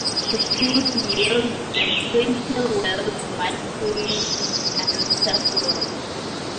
The fruits yield the essential oils myrcene and safrole.